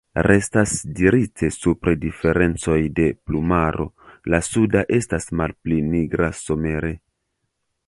Restas dirite supre diferencoj de plumaro: la suda estas malpli nigra somere.